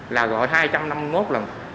là gọi hai trăm năm mươi một lần